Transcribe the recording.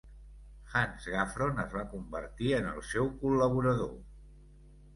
Hans Gaffron es va convertir en el seu col·laborador.